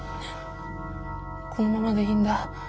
このままでいいんだ。